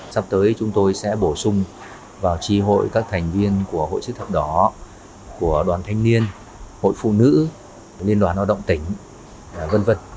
sắp tới chúng tôi sẽ bổ sung vào tri hội các thành viên của hội chữ thập đỏ của đoàn thanh niên hội phụ nữ liên đoàn lao động tỉnh v v